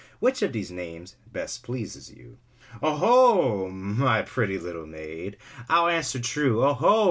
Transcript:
Which of these names best pleases you'?'' " 0 ho ! my pretty little maid. I'll answer true, 0 ho